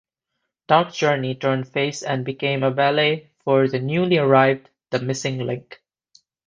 Dark Journey turned face and became a valet for the newly-arrived The Missing Link.